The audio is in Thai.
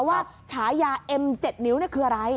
ฉายาเอ็ม๗นิ้วคืออะไร